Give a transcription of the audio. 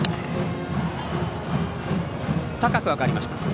高く上がりました。